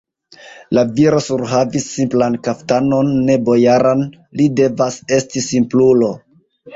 La viro surhavis simplan kaftanon, ne bojaran, li devas esti simplulo!